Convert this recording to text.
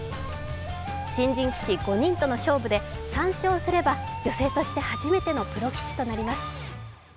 新人棋士５人との勝負で３勝すれば女性として初めてのプロ棋士となります。